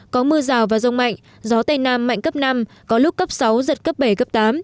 có mưa rào và rông mạnh gió tây nam mạnh cấp năm có lúc cấp sáu giật cấp bảy cấp tám